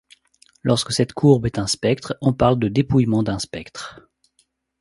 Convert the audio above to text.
Lorsque cette courbe est un spectre, on parle de dépouillement d'un spectre.